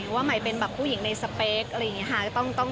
ว่ามัยเป็นผู้หญิงในสเปกอะไรอย่างนี้ค่ะ